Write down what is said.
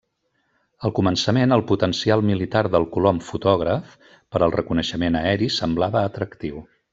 Al començament, el potencial militar del colom fotògraf per al reconeixement aeri semblava atractiu.